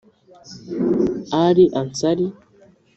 Ali Ansari